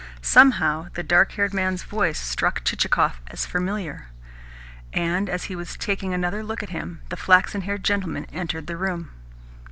Somehow, the dark haired man's voice struck Chichikov as familiar; and as he was taking another look at him the flaxen haired gentleman entered the room.